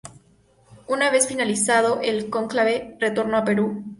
Una vez finalizado el cónclave, retornó al Perú.